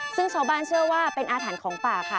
ซึ่งชาวบ้านเชื่อว่าเป็นอาถรรพ์ของป่าค่ะ